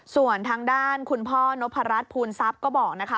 ส่วนทางด้านคุณพ่อนพรัชภูมิทรัพย์ก็บอกนะคะ